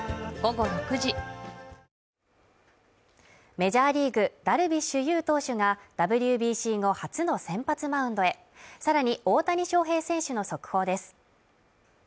メジャーリーグダルビッシュ有投手がＷＢＣ後初の先発マウンドへさらに大谷翔平選手の速報です。